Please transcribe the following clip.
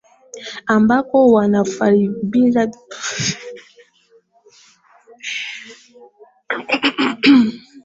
ambako wanafayabiashara Waislamu kama Tippu Tip waliendelea kukamata watumwa